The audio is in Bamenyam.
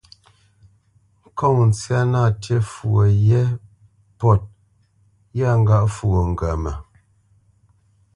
Ŋkɔŋ ntsyá nâ ntī fwo pôt yɛ́, yâ ŋgâʼ fwo ŋgəmə.